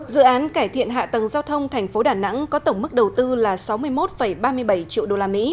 dự án cải thiện hạ tầng giao thông thành phố đà nẵng có tổng mức đầu tư là sáu mươi một ba mươi bảy triệu usd